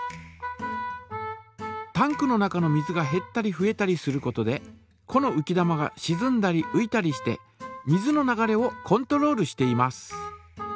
タンクの中の水がへったりふえたりすることでこのうき玉がしずんだりういたりして水の流れをコントロールしています。